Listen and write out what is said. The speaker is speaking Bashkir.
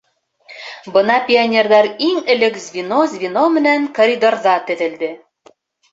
Бына пионерҙар иң элек звено-звено менән коридорҙа теҙелде.